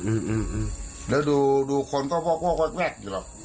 อืมแล้วดูคนก็พ่อแวะอยู่หรอก